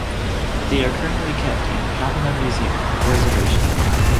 They are currently kept in Patna Museum for preservation.